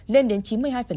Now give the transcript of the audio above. lên đến chín mươi hai